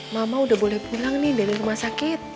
mama udah boleh pulang nih dari rumah sakit